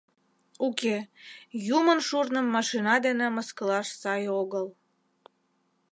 Уке, юмын шурным машина дене мыскылаш сай огыл.